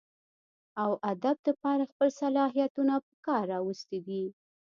اوادب دپاره خپل صلاحيتونه پکار راوستي دي